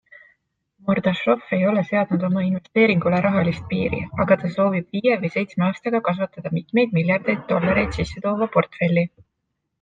Mordašov ei ole seadnud oma investeeringule rahalist piiri, aga ta soovib viie või seitsme aastaga kasvatada mitmeid miljardeid dollareid sisse toova portfelli.